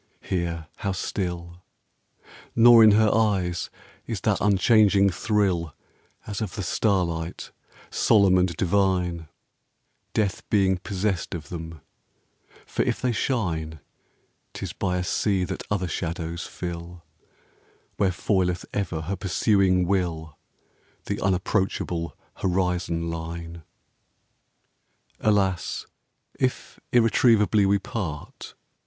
Here, how still I Nor in her eyes is that unchanging thrill As of the starlight, solemn and divine, Death being possessed of them, for if they shine, 'T is by a sea that other shadows fill, Where foileth ever her pursuing will The unapproachable horizon line. Alas! if irretrievably we part